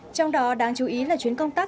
trong đó đáng chú ý là chuyến công tác